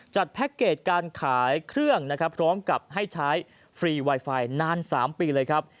แพ็คเกจการขายเครื่องนะครับพร้อมกับให้ใช้ฟรีไวไฟนาน๓ปีเลยครับ